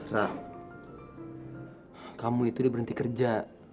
rah kamu itu udah berhenti kerja